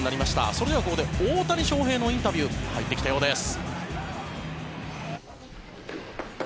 それではここで大谷翔平のインタビューが入ってきたようです。